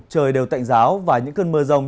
trời đều tạnh giáo và những cơn mưa rông